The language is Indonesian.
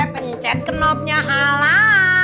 pencet knopnya halau